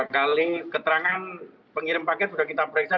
kali keterangan pengirim paket sudah kita periksa